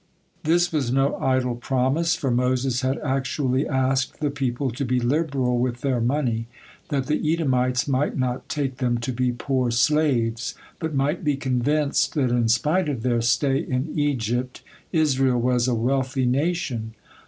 This was no idle promise, for Moses had actually asked the people to be liberal with their money, that the Edomites might not take them to be poor slaves, but might be convinced that in spite of their stay in Egypt, Israel was a wealthy nation.